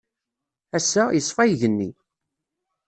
Ass-a, yeṣfa yigenni.